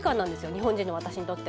日本人の私にとっても。